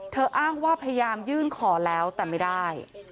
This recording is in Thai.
อ้างว่าพยายามยื่นขอแล้วแต่ไม่ได้